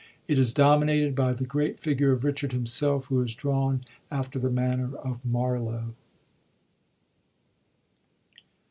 It is dominated by the great figure of Richard himself, who is drawn after the manner of Marlowe.